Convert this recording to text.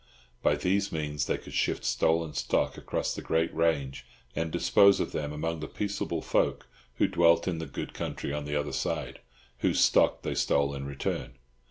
By these means they could shift stolen stock across the great range, and dispose of them among the peaceable folk who dwelt in the good country on the other side, whose stock they stole in return.